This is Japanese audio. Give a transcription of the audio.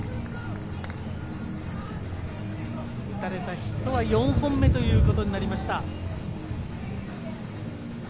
打たれたヒットは４本目ということになりました。